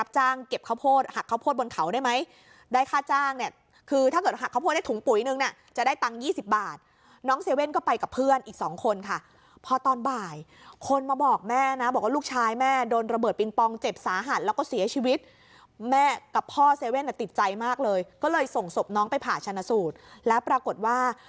หักข้าวโพดบนเขาได้ไหมได้ค่าจ้างเนี่ยคือถ้าเกิดหักข้าวโพดได้ถุงปุ๋ยนึงเนี่ยจะได้ตังค์๒๐บาทน้องเซเว่นก็ไปกับเพื่อนอีกสองคนค่ะพอตอนบ่ายคนมาบอกแม่นะบอกว่าลูกชายแม่โดนระเบิดปิงปองเจ็บสาหัสแล้วก็เสียชีวิตแม่กับพ่อเซเว่นอ่ะติดใจมากเลยก็เลยส่งศพน้องไปผ่าชนะสูตรแล้วปรากฏว่า